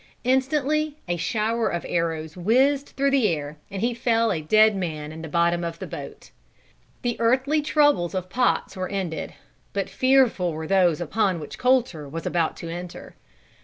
Instantly a shower of arrows whizzed through the air, and he fell a dead man in the bottom of the boat. The earthly troubles of Potts were ended. But fearful were those upon which Colter was about to enter.